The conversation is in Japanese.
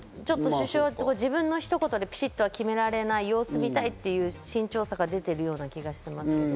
首相は自分の一言でピシっとは決められない様子を見たいという慎重さが出ているような気がしています。